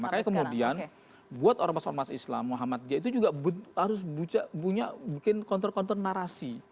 makanya kemudian buat orang orang islam muhammad dia itu juga harus punya mungkin kontor kontor narasi